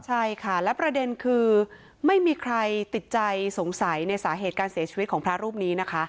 ใช่ค่ะและประเด็นคือไม่มีใครติดใจสงสัยในสาเหตุการเสียชีวิตของพระรูปนี้นะคะ